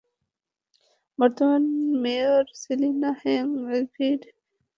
বর্তমান মেয়র সেলিনা হায়াৎ আইভীর নির্বাচন পরিচালনা কমিটির সদস্যসচিব ছিলেন তিনি।